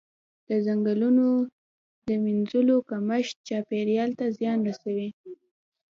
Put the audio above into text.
د ځنګلونو د مینځلو کمښت چاپیریال ته زیان رسوي.